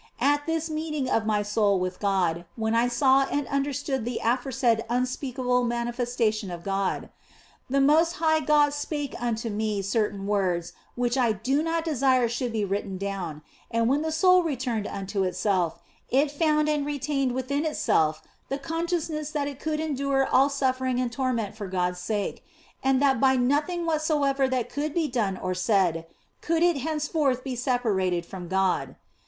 At this meeting of my soul with God (when I saw and under stood the aforesaid unspeakable manifestation of God), the most high God spake unto me certain words which I / do not desire should be written down ; and when the soul returned unto itself, it found and retained within itself the consciousness that it could endure all suffering and torment for God s sake, and that by nothing whatso i 9 4 THE BLESSED ANGELA ever that could be done or said could it henceforth be separated from God.